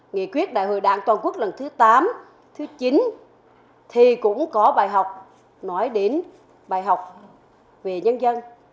nghị quyết đại hội đảng toàn quốc lần thứ tám thứ chín thì cũng có bài học nói đến bài học về nhân dân